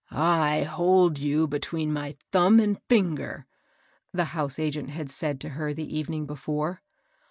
"I hold you between my thumb and finger," the house agent had said to her the evening before.